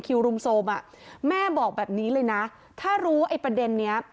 รุมโทรมอ่ะแม่บอกแบบนี้เลยนะถ้ารู้ไอ้ประเด็นนี้